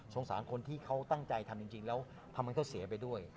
สารคนที่เขาตั้งใจทำจริงแล้วทำไมเขาเสียไปด้วย